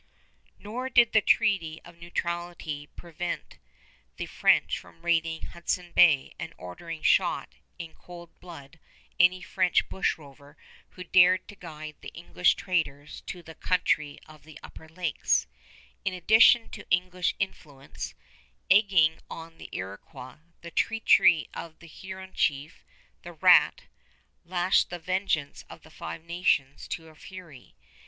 [Illustration: FORT FRONTENAC AND THE ADJACENT COUNTRY] Nor did the treaty of neutrality prevent the French from raiding Hudson Bay and ordering shot in cold blood any French bushrover who dared to guide the English traders to the country of the Upper Lakes. In addition to English influence egging on the Iroquois, the treachery of the Huron chief, The Rat, lashed the vengeance of the Five Nations to a fury.